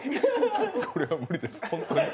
これは無理です、ホントに。